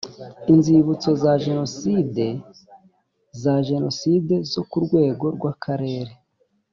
inzibutso za jenoside za jenoside zo ku rwego rw akarere